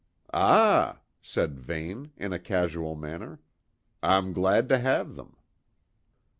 "Ah!" said Vane in a casual manner, "I'm glad to have them."